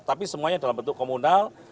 tapi semuanya dalam bentuk komunal